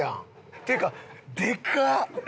っていうかでかっ！